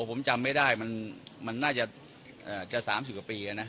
โหผมจำไม่ได้มันมันน่าจะเอ่อจะสามสิบกว่าปีแล้วน่ะนะครับ